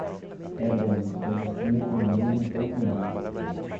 É bom, pois assim economiza um pouco mais